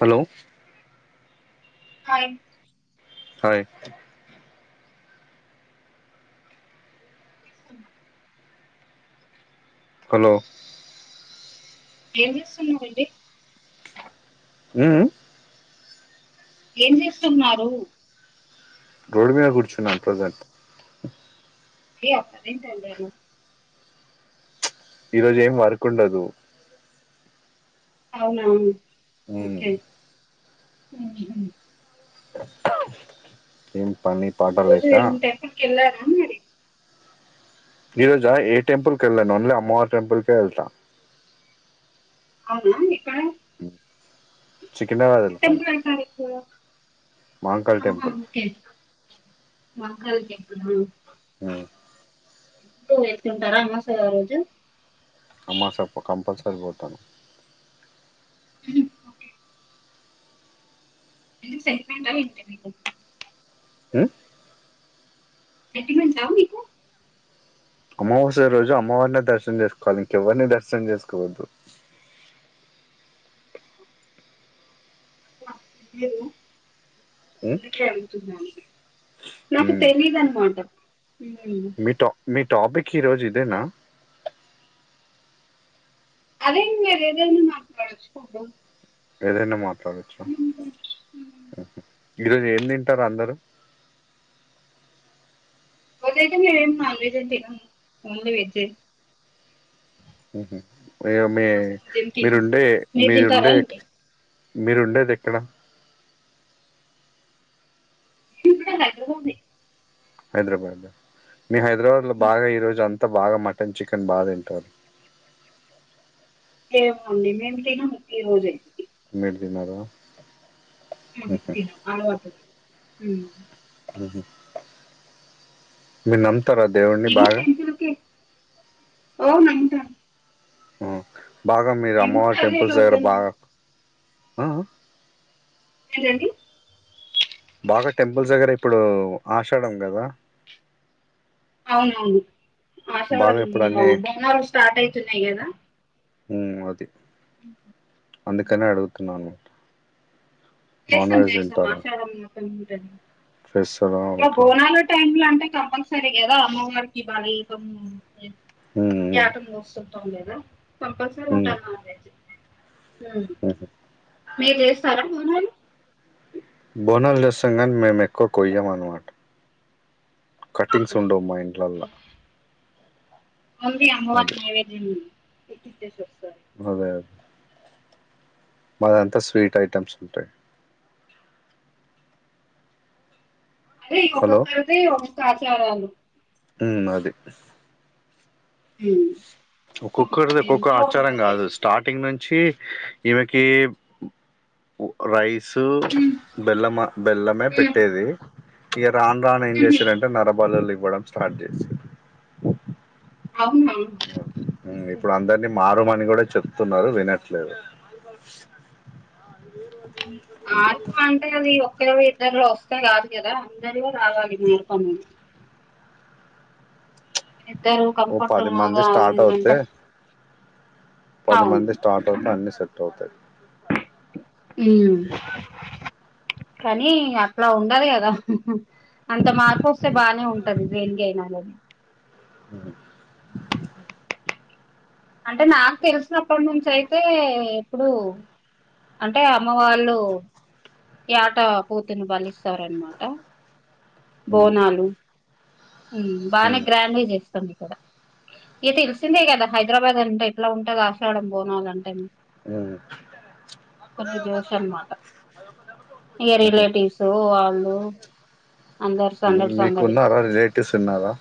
Hello hi hi ఏం చేస్తున్నావ్ hello ఏం చేస్తున్నావు అండి ఉను ఏం చేస్తున్నారు రోడ్ మీద కూర్చున్నాను ప్రజెంట్ ఏ అత్తారింటు యేళ్ళాను ఈ రోజు ఏం వర్క్ ఉండదు అవునా మ్మ్ ఓకే ఏం పని పాట రోజూ లేక ఏం టెంపుల్ కి యేల్లారా మరి ఈ రోజా ఏ టెంపుల్ కెల్లాను ఓన్లీ అమ్మవారి టెంపుల్ కే ఎల్తా అవునా ఎక్కడ ఎక్కడ సికింద్రాబాద్ వెళ్తాను టెంపుల్ వెళ్తారు ఎక్కువ మా అంకల్ ఆహా టెంపుల్ అందుకే [unintelligible] వెళ్తున్నాము అవును ఉప్పు వేసుకుంటారా అమాస నా రోజు అమావాస్య అప్పుడు కంపల్సరి పోతాను మ్మ్ ఓకే ఏంటి సెంటిమెంటా ఏంటి మీకు మ్మ్ సెంటిమెంట్ ఆ మీకు అమావాస్య రోజు అమ్మవారినె దర్శనం జేసుకోవాలి ఇంకెవ్వరిని దర్శనం జేసుకోవద్దు లేదు మ్మ్ అందుకే యెల్తున్నాను నాకు మ్మ్ తెలీదన్మాట మ్మ్ మీ టా మీ టాపిక్ ఈరోజు ఇదేనా అదేంది మీరేదైనా మాట్లాడచ్చు కద ఏదైనా మాట్లాడచ్చ ఈరోజు ఏం తింటరు అందరు ఈరోజైతే మేమేం నాన్వెజ్ తినం ఓన్లీ వెజ్ ఎ మ్మ్ హు మేవ్మే ఏం తినము మీరుండే మీరు తింటారా మీరుండే ఏంటి మీరుండేదెక్కడ గింత లైన్ గ ఉంది హైద్రబాద్ మీ హైదరాబాద్లో బాగా ఈరోజు అంత బాగా మటన్ చికెన్ బాగ తింటర్ ఏమొండి మేము తినం ఈ రోజె మీరు తిన్నరా మ్మ్ హు తిన అలవాటు హ్మ్ మ్మ్ హు మిర్ నం లేదు ట్వంటీ రూపీస్ ఓ నైన్ట ఆ బాగా మీది మేము కూడా అమ్మవారి అదే టెంపుల్స్ దగ్గర కడతాను బాగ ఆ అ ఎందండి బాగ టెంపుల్స్ దగ్గర ఇప్పుడూ ఆషాఢం గద అవునవును ఆషాడం బాగా ఇప్పుడు ఇగ అన్నీ బోనాలు స్టార్ట్ అయితున్నయ్ కదా మ్మ్ అది మ్మ్ హు అందుకనే అడుగుతున్నాను నాన్ చేస్తం వెజ్ చేస్తం తింటారా ఆషాఢం మొత్తం ఉంటది చేస్తారా ఇగ ఓకే బోనాల టైమ్ లో అంటే కంపల్సరీ గదా అమ్మవారికి బలి ఇయ్టమూ మ్మ్ యాటను కోస్తూ ఉంటము గదా కంపల్సరీ ఉమ్ ఉంటాది నాన్వెజ్ మ్మ్ ఉమ్. మీరు జేస్తారా బోనాలు బోనాలు జేస్తం గని మేము ఎక్కువ కొయ్యం అన్నమాట కట్టింగ్స్ ఆహా. ఉండవు మా ఇంట్లల్ల ఓన్లీ అమ్మవారి అదే నైవేద్యం పెట్టిచ్చేసి వస్తార్ అదే మాదంతా స్వీట్ ఐటమ్స్ ఉంటాయి అదే హలో ఒక్కొక్కళ్ళది ఒక్కొక్క ఆచారాలు మ్మ్ అది మ్మ్ ఒక్కోక్కరిది ఒక్కొక్క ఆచారం టైప్ కాదు స్టార్టింగ్ నుంచి ఈమెకి ఒక్క రైస్ సో ఉమ్, బెల్లమా బెల్లమే ఉమ్, పెట్టేది ఇగ రాను రాను ఏం ఉహు. చేశారంటె నరబలులు ఇవ్వడం స్టార్ట్ చేసిర్రు అవును మ్మ్ ఇప్పుడు అందరినీ మారమని కూడా చెప్తున్నారు వినట్లేదు మార్పు అంటే అది ఒక్కరివి ఇద్దర్లో ఒస్తే గాదు కదా అందర్లో రావాలి జీవితం ఇద్దరు ఓ కంఫట్ పది మంది గా స్టార్ట్ అవుతే [unintelligible] పది అవును మంది స్టార్ట్ ఒత్తే అన్ని సెట్ అవుతై ఉమ్. కానీ అట్లా ఉండాలి గదా అంత మార్పు ఒస్తే బానే ఉంటది దేనికైనా గాని ఉమ్ అంటే నాకు తెల్సినప్ప నుంచి అయితే ఇప్పుడూ అంటే అమ్మవాళ్ళూ యట పోతుని బలిస్తారన్మాట ఉమ్ భోనాలు ఉమ్ బానే గ్రాండ్గ జేస్తం ఇక్కడ ఇగ తెలిసిందే గదా హైద్రబాద్ అంటే ఎట్లా ఉంటాదో ఆషాడం బోనాలు అంటే ఉ తొమ్మి జోష్ అన్మాట ఇగ రిలేటివ్సూ వాళ్ళూ అందరు సందడి మీకు ఉన్నారా రిలేటివ్స్ ఉన్నారా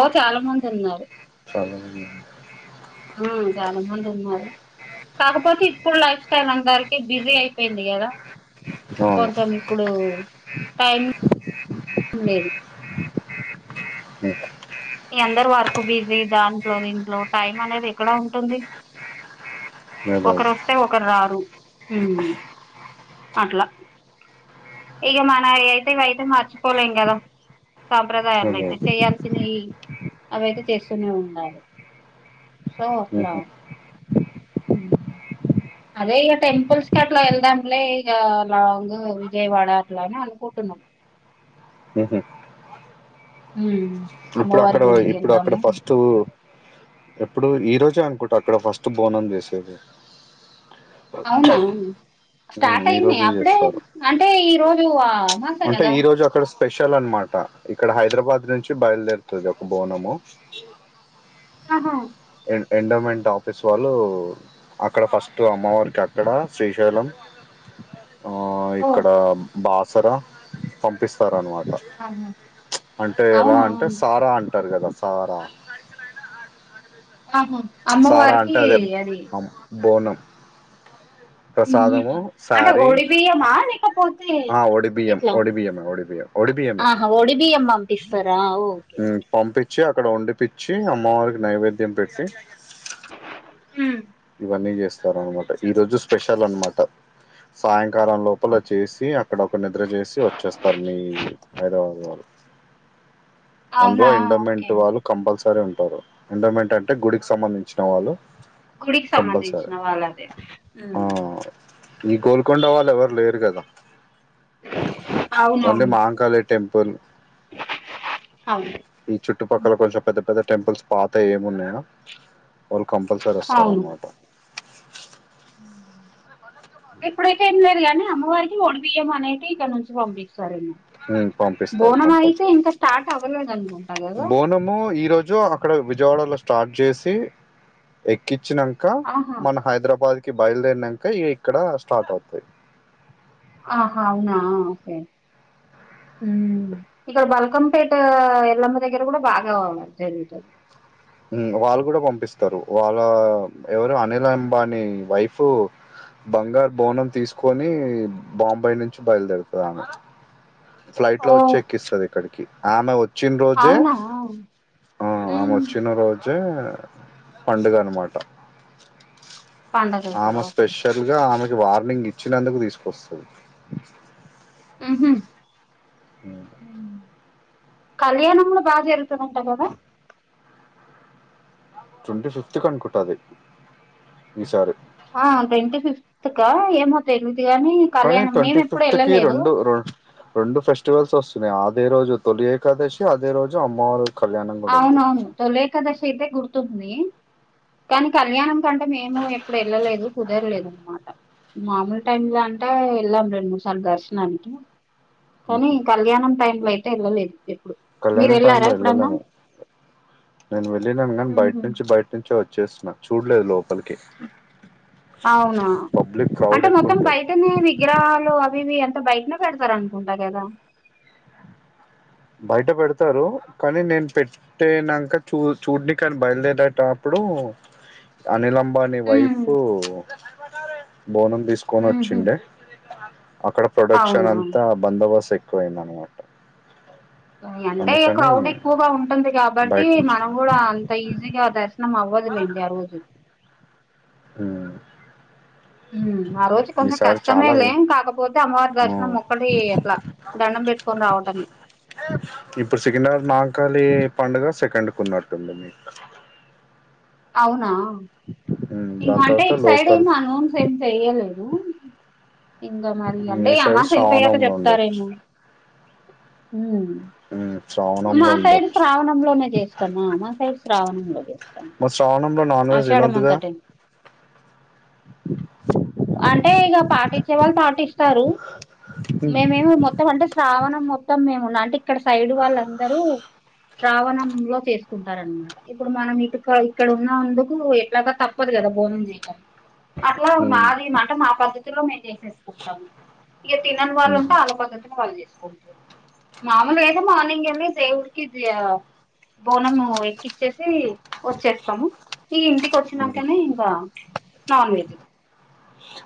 ఓ చాల మంది ఉన్నారు. చాలమందా ఉమ్ చాలా మంది ఉన్నారు కాకపోతే ఇప్పుడు లైఫ్ స్టైల్ అందరికి బిజీ అయిపోయింది గదా అవును కొంచెం ఇప్పుడూ టైం లేేదు అదే ఈ అందరు వర్క్ బిజీ దాంట్లో దీంట్లో టైమ్ అనేది ఎక్కడ ఉంటుంది. అదే ఒకరు ఒస్తే ఒకరు రారు ఉమ్ అట్లా ఇగ మనయే అయితే ఇవి అయితే మర్చిపోలేం కదా సాంప్రదాయాం అవునా. అయితే చెయ్యాల్సియి అవైతే చేస్సునే ఉంటారు సో అట్లా ఊహూ. అదే ఇక టెంపుల్స్ కి అట్లా ఏళ్దాంలే ఇగ లాంగు విజయ్ వాడ అట్లా అని అనుకుంటున్నాం మ్.. మ్ ఉమ్ ఇప్పుడు అమ్మవారి అక్కడా వోయ్ గుడికి ఇప్పుడు అక్కడ వెళ్దాము ఫస్టూ ఎప్పుడు ఈ రోజే అనుకుంట అక్కడ ఫస్ట్ బోనం దిసేది అవునా హ్మ్. స్టార్ట్ ఈ అయినియా రోజే అప్పుడే చేస్తారు. అంటే ఈ రోజు అమాస అంటే గదా ఈ రోజు అక్కడ స్పెషల్ అన్మాట ఇక్కడ హైద్రాబాద్ నుంచి బైల్దేర్తది ఒక బోనము హహ ఎం ఎండోమెంట్ ఆఫీస్ వాళ్ళూ అక్కడ ఫస్టు అమ్మవారికి అక్కడా శ్రీశైలం ఆ ఓ ఇక్కడా బాసర పంపిస్తారు అన్మాట ఆహా అంటే ఎలా అవునా అంటే సారా అంటారు గదా సారా ఆహా సారా అమ్మవార్కీ అంటే అదే అదీ అమ్- బోనం ప్రసాదము, అంటే సారీ ఒడిబియ్యమా లేకపోతే ఆ ఒడిబియ్యం ఎట్లా. ఒడిబియ్యమే ఒడిబియ్యం ఒడిబియ్యమే ఆహా ఒడి బియ్యం పంపిస్తారా ఓ. పంపించి అక్కడ వండిపిచ్చి అమ్మవారికి నైవేద్యం పెట్టి. ఉమ్. ఇవన్నీ చేస్తారు అనమాట ఈ రోజు స్పెషల్ అనమాట సాయంకాలం లోపల అచ్చా. చేసి. అక్కడ ఒక నిద్ర చేసి వచ్చేస్తారు మీ హైదరాబాద్ వాళ్ళు. అందులో అవునా ఇండోమెంట్ ఓకే వాళ్ళు కంపల్సరీ ఉంటారు ఇండోమెంట్ అంటే గుడికి సంబంధించిన వాళ్ళు. గుడికి సంబంధించిన కంపల్సరీ వాళ్ళదే ఉమ్. నీ గోల్కొండ వాళ్ళు ఎవరు లేరు కదా ఓన్లీ అవునవును మహంకాళి. టెంపుల్. అవును. ఈ చుట్టుపక్కల కొంచెం పెద్ద పెద్ద టెంపుల్స్ పాతవి ఏమున్నాయా. వాళ్ళు కంపల్సరీ వస్తారు అవును అన్నమాట. ఇప్పుడైతే ఏం లేదు కానీ అమ్మవారికి ఓడి బియ్యం అనేది ఇక్కడ నుంచి పంపిస్తారేమో. ఉమ్ పంపిస్తారు బోనం అయితే కంపల్సరీ ఇంకా స్టార్ట్ అవ్వలేదు అనుకుంటా కదా. మేము ఈ రోజు అక్కడ విజయవాడలో స్టార్ట్ చేసి ఎక్కించినం ఇంకా ఆహా మన హైదరాబాద్ కి బయలుదేరినాంక ఇక్కడ స్టార్ట్ అవుతాయి. ఆహ అవునా ఓకే ఉమ్ ఇక్కడ బల్కం. పేట ఎల్లమ్మ దగ్గర కూడా బాగా జరుగుతుంది. వాళ్ళు కూడా పంపిస్తారు వాళ్ళు ఎవరు అనిల్ అంబాని వైఫ్. బంగారు బోనం తీసుకొని బాంబాయి నుంచి బయలుదేరుతారు ఆమె. ఫ్లైట్ ఓ లో వచ్చి ఎక్కిస్తది ఇక్కడికి ఆమె వచ్చి. వచ్చిన రోజే అవునా ఆహ్ ఆమె ఉమ్ వచ్చిన రోజు. వచ్చే పండుగ అన్నమాట. పండగ ఇక్కడ ఆమె ఓకే స్పెషల్ గా ఆమెకి వార్నింగ్ ఇచ్చినందుకు తీసుకొస్తది. ఉమ్. కళ్యాణం కూడా బాగా జరుగుతదంట కదా. ట్వంటీ ఫిఫ్త్ కు అనుకుంటది ఈసారి. ఆహ్ ట్వంటీ ఫిఫ్త్కా ఏమో తెలీదు కాని. కానీ ట్వంటీ ఫిఫ్త్కి రెండు రెం రెండు ఫెస్టివల్స్ వస్తున్నాయి అదే రోజు తొలి ఏకాదశి అదే రోజు అమ్మవారు. కళ్యాణం కూడా ఉంది అవునవును తొలేకాదశి అయితే గుర్తుంది. కానీ కళ్యాణం కంటే మేము ఎప్పుడు వెళ్ళలేదు కుదరలేదు అన్నమాట. మామూలు టైమ్ లో అంటే వెళ్ళాం రెండు మూడు సార్లు దర్శనానికి. కానీ ఉహు. కళ్యాణం టైమ్ లో అయితే వెళ్ళలేదు ఎప్పుడు కళ్యాణ మీరు టైమ్ వెళ్ళారా లో ఎప్పుడన్నా. వెళ్ళలేము నేను వెళ్ళినాను కాని బయట నుంచి బయట నుంచే వచ్చేస్తున్నా చూడలేదు లోపలికి. అవునా పబ్లిక్ క్రౌడ్ అంటే ఎక్కువ మొత్తం బైట. ఉంటది అయితేనే విగ్రహాలు అవి ఇవి అంత బయటనే పెడతారు అనుకుంటా కదా. బయట పెడతారు కానీ నేను పెట్. అంటే నాంక చూ చూడ్నీకేని బయలుదేరటేప్పుడు అనిల్ అంబ్ అనిల్ అంబానీ వైఫ్ బోనం తీసుకొని వచ్చిండే అక్కడ. ప్రొడక్షన్ అవునా అంతా బందవస్తు ఎక్కువయింది అనమాట. అంటే అందుకని క్రౌడ్ ఎక్కువగా ఉంటుంది కాబట్టి బయట నుంచి మనం కూడా. అంత ఈజీగా దర్శనం అవ్వదులేండి ఆ రోజు. ఉమ్. ఉమ్ ఆ రోజు కొంచెం ఈసారి చాలా కష్టమేలే ఉమ్. కాకపోతే అమ్మవారి దర్శనం ఒక్కటి అట్లా దణ్ణం పెట్టుకొని రావటమే ఇప్పుడు సికింద్ర మంకాళి పండగ సెకండ్కు ఉన్నట్టుంది అవునా ఉమ్, ఇంక దాని అంటే తర్వాత ఇటు సైడ్ ఏం లోకల్ ఎనౌన్సు ఏం చెయలేదు ఇంగ మరి మీ అంటే సైడ్ అమాస్య వెళ్ళిపోయాక శ్రావణంలో ఉండొచ్చు చెప్తారేమో మ్ ఉమ్ సా మా సైడ్ శ్రావణంలోనే చేస్తామా మా సైడ్ శ్రావణంలో చేస్తాం మరి శ్రావణంలో నాన్ వెజ్ ఆషాఢం తినొద్దుగా అంతటే అంటే ఇగ పాటిచ్చే వాళ్ళు పాటిస్తారు ఉమ్, మేమేమి మొత్తం అంటే శ్రావణం మొత్తం మేము అంటే ఇక్కడ సైడ్ వాళ్ళందరూ శ్రావణంలో చేసుకుంటారన్మ ఇప్పుడు మనం ఇటుక ఇక్కడ ఉన్నందుకు ఎట్లాగా తప్పదు కదా బోనం చేయ్యటనికి అట్లా ఉన్న ఉమ్, మాట మా పద్దతిలో మేము చేసేసుకుంటాము ఇక తినని వాళ్ళు ఉమ్, ఉంటే వాళ్ళ పద్దతిలో వాళ్ళు చేసుకుంటారు మామూలుగా అయితే మార్నింగెళ్ళి దేవుడికి ఇది ఆ బోనము ఎక్కిచ్చేసి వచ్చేస్తము ఇగ ఇంటికి ఉమ్. వచ్చినంకనే ఇంకా నాన్ వెజ్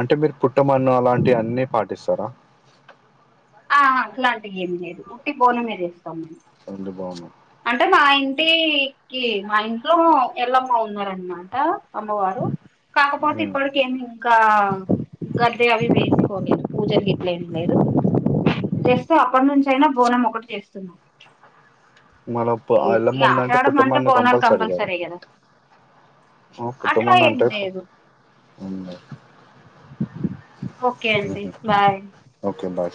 అంటే మీరు పుట్టమన్ను అలాంటి అన్ని పాటిస్తారా ఆ అట్లాంటివి ఏమి లేదు ఉట్టి బోనమే చేస్తాం మేము ను బావున్నవ్ అంటే మా ఇంటీ కి మా ఇంట్లో ఎల్లమ్మ ఉన్నరానామాట అమ్మవారు కాకపోతే ఇప్పటికెమి ఇంకా గద్దె అవి వేసుకోలేదు పూజలు గిట్లా ఏం లేదు జస్ట్ అప్పట్నుంచి అయినా బోనం ఒకటి చేస్తున్నాం మన ప్ ఈ ఎల్లమ్ముదంటే ఆషాఢం అంటే పుట్టమన్ను బోనాలు కంపల్సరీ కదా ఆ అట్లా ఏం పుట్టమన్నంటే లేదు ఒకే అండి బాయ్ ఒకే బాయ్